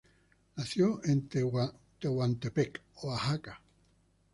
Nació en Tehuantepec, Oaxaca.